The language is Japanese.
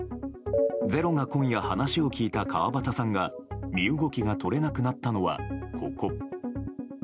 「ｚｅｒｏ」が今夜話を聞いた河端さんが身動きが取れなくなったのは、ここ。